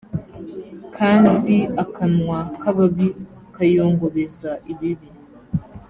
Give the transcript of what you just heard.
kandi akanwa k ababi kayongobeza ibibi